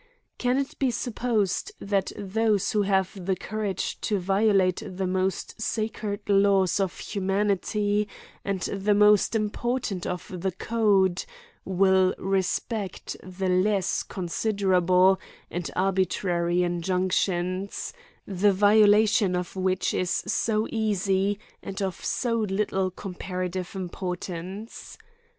Can it be supposed, that those who have the courage to violate the most sacred laws of humanity, and the most important of the code, will respect the less considerable and arbi trary injunctions, the violation of which is so ea sy, and of so little comparative importance